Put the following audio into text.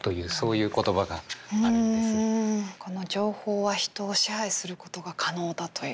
情報は人を支配することが可能だというのを。